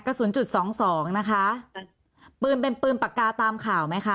กระสุนจุดสองสองนะคะปืนเป็นปืนปากกาตามข่าวไหมคะ